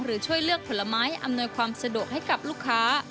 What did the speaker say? ช่วยเลือกผลไม้อำนวยความสะดวกให้กับลูกค้า